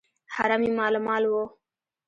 حرم یې مالامال وو.